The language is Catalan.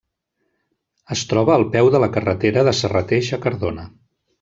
Es troba al peu de la carretera de Serrateix a Cardona.